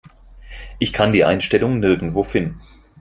Ich kann die Einstellung nirgendwo finden.